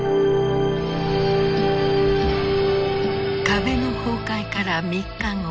壁の崩壊から３日後。